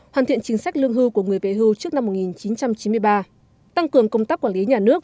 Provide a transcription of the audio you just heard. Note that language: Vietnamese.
hoàn thiện chính sách lương hưu của người vệ hưu trước năm một nghìn chín trăm chín mươi ba tăng cường công tác quản lý nhà nước